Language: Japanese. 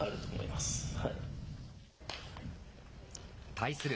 対する